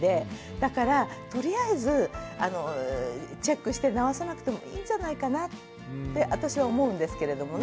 だからとりあえずチェックして直さなくてもいいんじゃないかなって私は思うんですけれどもね。